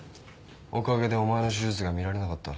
おかげでお前の手術が見られなかった。